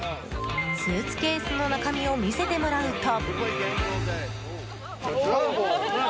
スーツケースの中身を見せてもらうと。